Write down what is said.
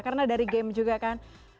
karena dari game juga kan